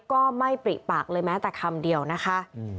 ก็ไม่ปริปากเลยแม้แต่คำเดียวนะคะ